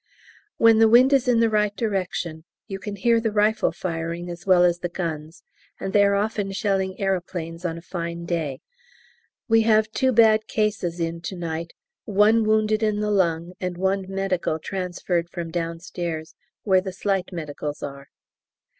When the wind is in the right direction you can hear the rifle firing as well as the guns and they are often shelling aeroplanes on a fine day. We have two bad cases in to night one wounded in the lung, and one medical transferred from downstairs, where the slight medicals are.